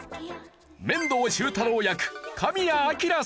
面堂終太郎役神谷明さん。